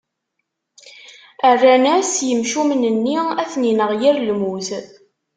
Rran-as: Imcumen-nni, ad ten-ineɣ yir lmut.